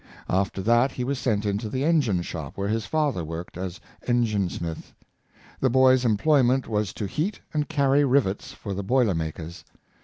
After that he was sent into the engine shop where his father worked as engine smith. The boy's employment was to heat and carry rivets for the boiler makers.